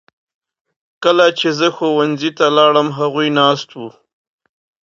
کله چې زه ښوونځي ته لاړم هغوی ناست وو.